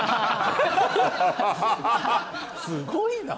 すごいな。